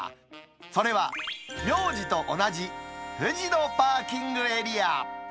それは名字と同じ、藤野パーキングエリア。